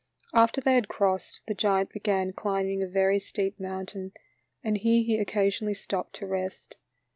After they had crossed, the giant began climbing a very steep mountain, and here he occasionally stopped to rest.